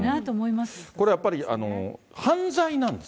これやっぱり、犯罪なんです